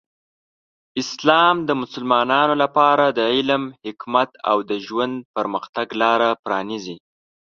اسلام د مسلمانانو لپاره د علم، حکمت، او د ژوند پرمختګ لاره پرانیزي.